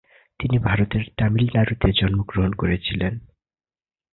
তিনি ভারতের তামিলনাড়ুতে জন্মগ্রহণ করেছিলেন।